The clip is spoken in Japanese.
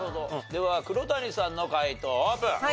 では黒谷さんの解答オープン。